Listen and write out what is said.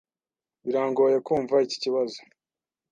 Birangoye kumva iki kibazo.